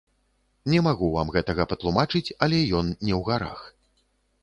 Не магу вам гэтага патлумачыць, але ён не ў гарах.